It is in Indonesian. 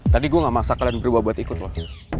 tadi gue gak maksa kalian berdua buat ikut loh